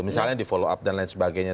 misalnya di follow up dan lain sebagainya